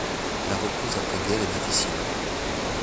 La reprise après guerre est difficile.